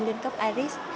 liên cấp iris